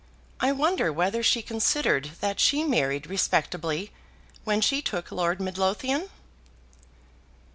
I wonder whether she considered that she married respectably when she took Lord Midlothian?"